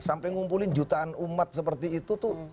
sampai ngumpulin jutaan umat seperti itu tuh